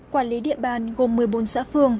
quản lý địa bàn gồm một mươi bốn xã phường